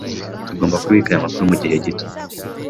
Tugomba kubika aya makuru mugihe gito.